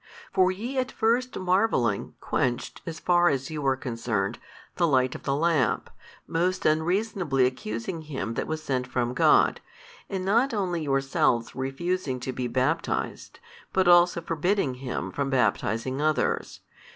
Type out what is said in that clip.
For ye at first marvelling quenched (as far as you are concerned) the light of the lamp, most unreasonably accusing him that was sent from God, and not only yourselves refusing to be baptized, but also forbidding him from baptizing others.